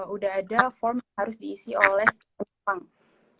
udah ada form harus diisi oleh tiongkok